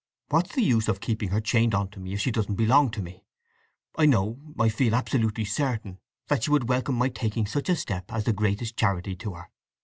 What's the use of keeping her chained on to me if she doesn't belong to me? I know—I feel absolutely certain—that she would welcome my taking such a step as the greatest charity to her.